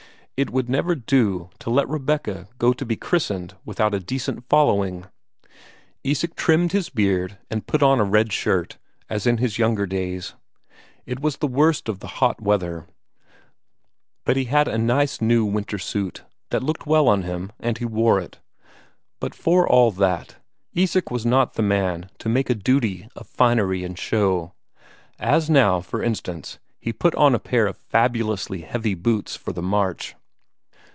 It would never do to let Rebecca go to be christened without a decent following! Isak trimmed his beard and put on a red shirt, as in his younger days; it was in the worst of the hot weather, but he had a nice new winter suit, that looked well on him, and he wore it. But for all that, Isak was not the man to make a duty of finery and show; as now, for instance, he put on a pair of fabulously heavy boots for the march.